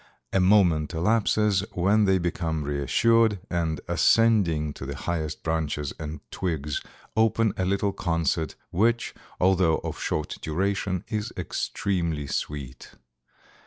A moment elapses, when they become reassured, and ascending to the highest branches and twigs open a little concert, which, although of short duration, is extremely sweet.